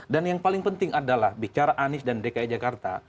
dan yang paling penting adalah bicara anies dan dki jakarta